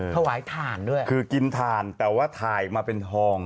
ถ่านด้วยคือกินถ่านแต่ว่าถ่ายมาเป็นทอง